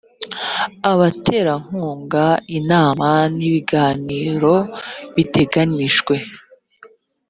abaterankunga inama n ibiganiro biteganijwe